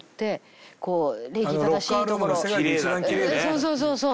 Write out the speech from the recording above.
そうそうそうそう！